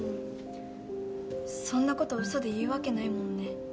そんなことウソで言うわけないもんね。